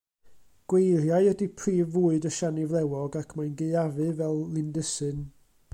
Gweiriau ydy prif fwyd y siani flewog ac mae'n gaeafu fel lindysyn.